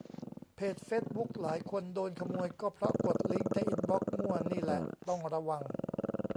เพจเฟซบุ๊กหลายคนโดนขโมยก็เพราะกดลิงก์ในอินบอกซ์มั่วนี่แหละ ต้องระวัง